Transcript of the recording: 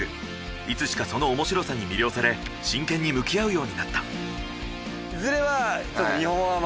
いつしかそのおもしろさに魅了され真剣に向き合うようになった。